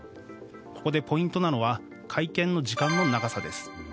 ここでポイントなのは会見の時間の長さです。